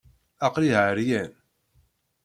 Aql-i ɛeryan.